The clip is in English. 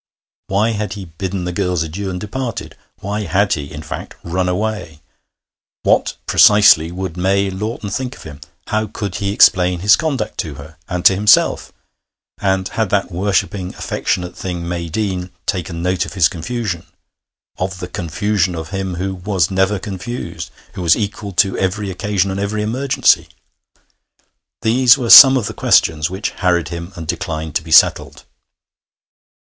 Why had he bidden the girls adieu and departed? Why had he, in fact, run away? What precisely would May Lawton think of him? How could he explain his conduct to her and to himself? And had that worshipping, affectionate thing, May Deane, taken note of his confusion of the confusion of him who was never confused, who was equal to every occasion and every emergency? These were some of the questions which harried him and declined to be settled.